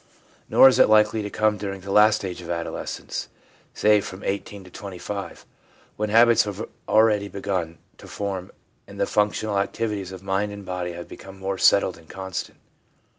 Nor is it likely to come during the last stage of adolescence, say, from 18 to 25, when habits have already begun to form, and the func tional activities of mind and body have become more settled and constant.